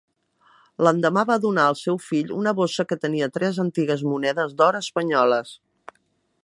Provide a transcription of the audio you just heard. L'endemà va donar al seu fill una bossa que tenia tres antigues monedes d'or espanyoles.